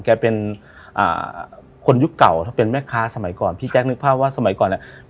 แกเป็นคนยุคเก่าเมค้าสมัยก่อนพี่แจ๊กซ์นึกพ่อว่าสมัยก่อนเนี่ย